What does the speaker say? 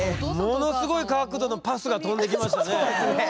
ものすごい角度のパスが飛んできましたね。